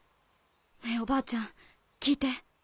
ねぇおばあちゃん聞いて。